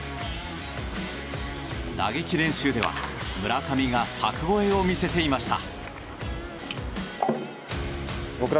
打撃練習では村上が柵越えを見せていました。